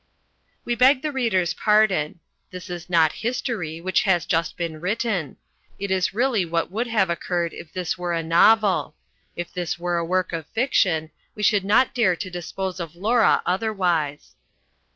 We beg the reader's pardon. This is not history, which has just been written. It is really what would have occurred if this were a novel. If this were a work of fiction, we should not dare to dispose of Laura otherwise.